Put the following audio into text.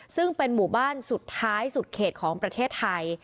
ซึ่งเป็นหมู่บ้านสุดท้ายสุดเขตของประเทศไทย